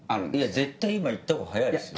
絶対今行ったほうが早いですよ。